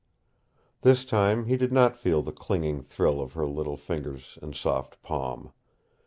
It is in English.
This time he did not feel the clinging thrill of her little fingers and soft palm.